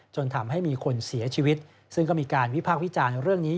จนทำให้มีคนเสียชีวิตซึ่งก็มีการวิพากษ์วิจารณ์เรื่องนี้